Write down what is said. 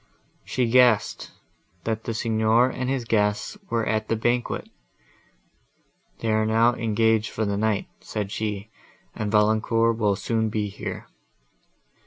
She guessed, that the Signor and his guests were at the banquet. "They are now engaged for the night," said she; "and Valancourt will soon be here."